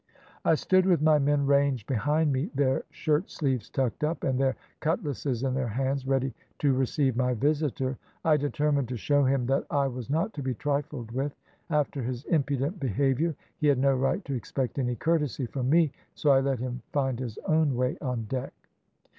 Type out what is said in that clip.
"I stood with my men ranged behind me, their shirt sleeves tucked up and their cutlasses in their hands, ready to receive my visitor. I determined to show him that I was not to be trifled with. After his impudent behaviour, he had no right to expect any courtesy from me, so I let him find his own way on deck.